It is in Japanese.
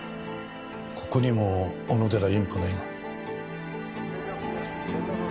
ここにも小野寺由美子の絵が。